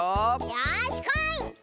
よしこい！